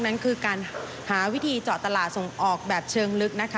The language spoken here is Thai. นั้นคือการหาวิธีเจาะตลาดส่งออกแบบเชิงลึกนะคะ